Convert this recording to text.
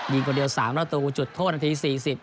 ยิงคนเดียว๓ระดูกจุดโทษนาที๔๐